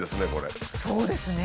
そうですね。